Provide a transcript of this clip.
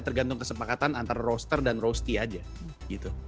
tergantung kesepakatan antara roaster dan roastee aja gitu